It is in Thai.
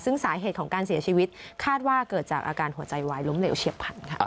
ซึ่งสาเหตุของการเสียชีวิตคาดว่าเกิดจากอาการหัวใจวายล้มเหลวเฉียบพันค่ะ